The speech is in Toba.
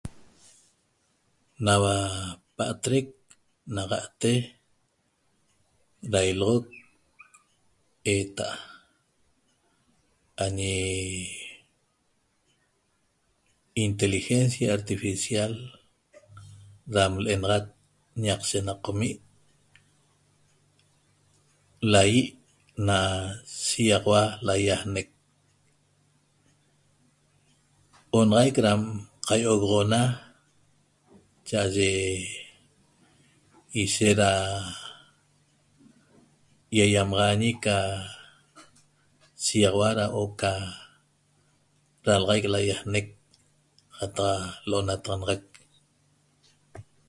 Nahua patrec naxate da iloxoc eta añe inteligencia artificial da lenaxat ñaq shenaqaam qomi lahie na shexaua laiaxnec onaxaiq dam caioxona cha aye ishet da iaiamaxañe ca shexaua huoca dalaxaiq loixneq cata lolataxanaxaq